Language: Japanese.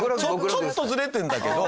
ちょっとずれてるんだけど。